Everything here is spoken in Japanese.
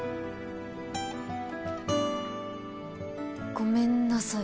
ごめんなさい。